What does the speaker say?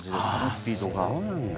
スピードが。